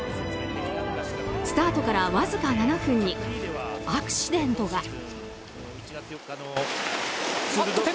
スタートからわずか７分にアクシデントが。